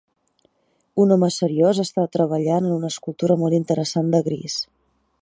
Un home seriós està treballant en una escultura molt interessant de gris.